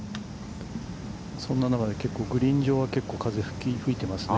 そんな中で、結構、グリーン上は結構風が吹いていますね。